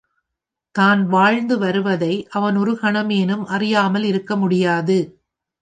தான் வாழ்ந்து வருவதை அவன் ஒரு கணமேனும் அறியாமல் இருக்க முடியாது.